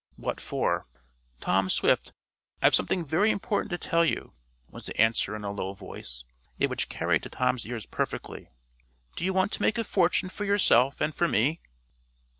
"What for?" "Tom Swift, I've something very important to tell you," was the answer in a low voice, yet which carried to Tom's ears perfectly. "Do you want to make a fortune for yourself and for me?"